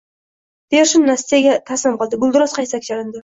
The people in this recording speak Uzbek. Pershin Nastyaga taʼzim qildi, gulduros qarsak chalindi.